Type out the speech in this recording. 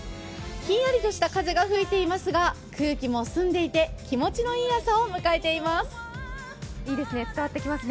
ひんやりとした風が吹いていますが空気も澄んでいて気持ちのいい朝を迎えています。